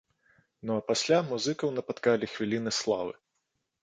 Ну а пасля музыкаў напаткалі хвіліны славы!